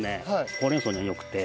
ほうれん草には良くて。